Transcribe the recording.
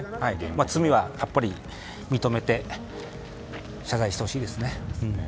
罪はやっぱり、認めて謝罪してほしいですね。